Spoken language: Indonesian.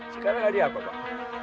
sekarang hari apa pak